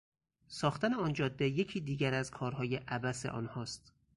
ساختن آن جاده یکی دیگر از کارهای عبث آنهاست.